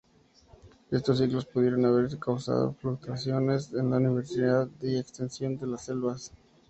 Estos ciclos pudieron haber causado fluctuaciones en la diversidad y extensión de las selvas.